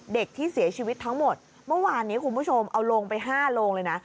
เด็กที่เสียชีวิตทั้งหมดเมื่อวานนี้คุณผู้ชมเอาลงไป๕โรงเลยนะ